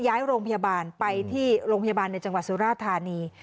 ย้ายโรงพยาบาลไปที่โรงพยาบาลในจังหวัดสุราธานี